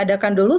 oke terima kasih